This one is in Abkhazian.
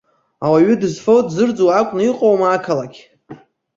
Ауаҩы дызфо-дзырӡуа акәны иҟоума ақалақь?